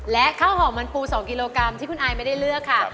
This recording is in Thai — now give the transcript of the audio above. และข้าวหอมมันปู๒กิโลกรัมที่คุณอายไม่ได้เลือกค่ะ